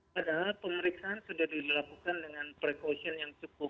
padahal pemeriksaan sudah dilakukan dengan precaution yang cukup